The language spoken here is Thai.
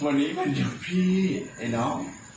วันนี้วันหยุดพี่ไอ้น้อง